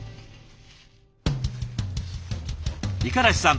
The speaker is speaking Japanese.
五十嵐さん